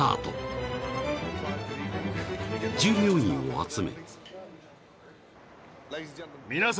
［従業員を集め］